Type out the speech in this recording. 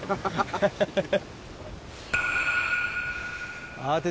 ハハハハ！